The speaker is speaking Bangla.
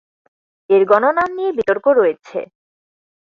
এর গণ নাম নিয়ে বিতর্ক রয়েছে।